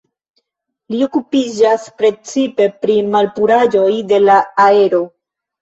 Li okupiĝas precipe pri malpuraĵoj de la aero.